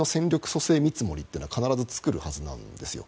組成見積もりというのは必ず作るはずなんですよ。